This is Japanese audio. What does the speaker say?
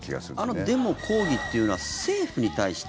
あのデモ、抗議というのは政府に対して？